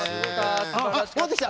あっ戻ってきた！